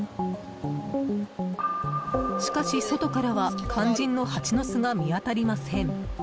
しかし、外からは肝心のハチの巣が見当たりません。